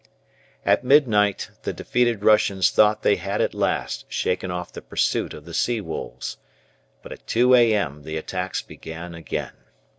At midnight the defeated Russians thought they had at last shaken off the pursuit of the sea wolves. But at 2 a.m. the attacks began again.